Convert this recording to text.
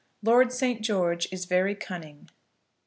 LORD ST. GEORGE IS VERY CUNNING.